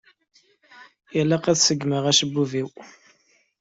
Ilaq ad segmeγ acebbub-iw.